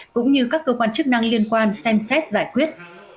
cũng như các cơ quan chức năng liên quan xem xét giải quyết